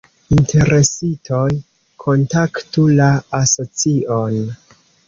Interesitoj kontaktu la Asocion.